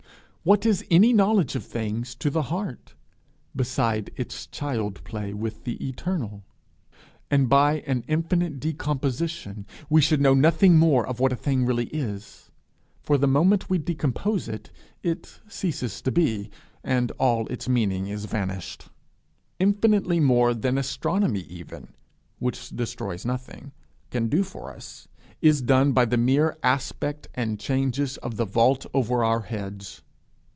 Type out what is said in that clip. What is any knowledge of things to the heart, beside its child play with the Eternal! And by an infinite decomposition we should know nothing more of what a thing really is, for, the moment we decompose it, it ceases to be, and all its meaning is vanished. Infinitely more than astronomy even, which destroys nothing, can do for us, is done by the mere aspect and changes of the vault over our heads.